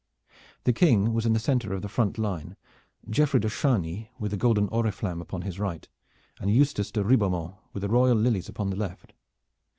The King was in the center of the front line, Geoffrey de Chargny with the golden oriflamme upon his right, and Eustace de Ribeaumont with the royal lilies upon the left.